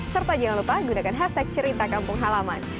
serta jangan lupa gunakan hashtag cerita kampung halaman